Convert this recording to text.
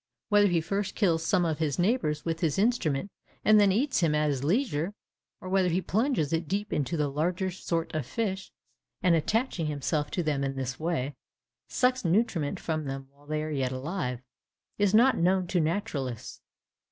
Whether he first kills some one of his neighbours with this instrument, and then eats him at his leisure, or whether he plunges it deep into the larger sort of fish, and attaching himself to them in this way, sucks nutriment from them while they are yet alive, is not known to naturalists.